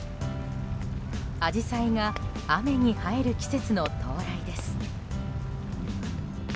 アジサイが雨に映える季節の到来です。